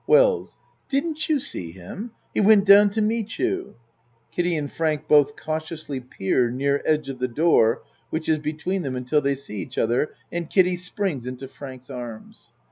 WELLS Didn't you see him? He went down to meet you. (Kiddie and Frank both cautiously peer near edge of the door which is between them until they see each other and Kiddie springs into Frank's arms.)